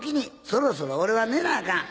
そろそろ俺は寝なあかん。